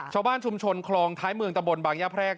ชาวบ้านชุมชนคลองท้ายเมืองตะบนบางย่าแพรก